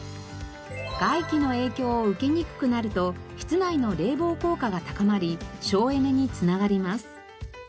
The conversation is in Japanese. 外気の影響を受けにくくなると室内の冷房効果が高まり省エネに繋がります。